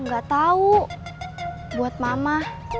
gak tau buat mama